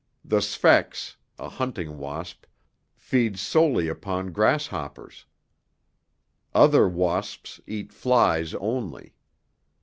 The sphex a hunting wasp feeds solely upon grasshoppers. Others wasps eat flies only.